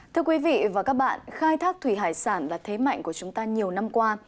thưa quý vị và các bạn khai thác thủy hải sản là thế mạnh của chúng ta nhiều năm qua